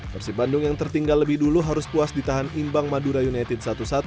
persib bandung yang tertinggal lebih dulu harus puas di tahan imbang madura united satu satu